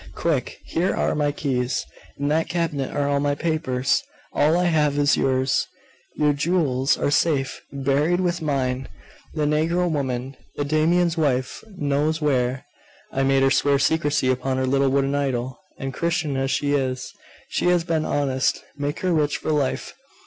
Quick! here are my keys. In that cabinet are all my papers all I have is yours. Your jewels are safe buried with mine. The negro woman, Eudaimon's wife, knows where. I made her swear secrecy upon her little wooden idol, and, Christian as she is, she has been honest. Make her rich for life.